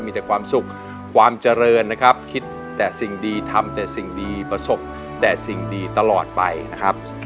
มีแต่ความสุขความเจริญนะครับคิดแต่สิ่งดีทำแต่สิ่งดีประสบแต่สิ่งดีตลอดไปนะครับ